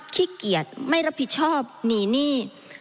ขี้เกียจไม่รับผิดชอบหนีหนี้